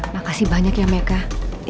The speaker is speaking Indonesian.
makasih banyak ya mecah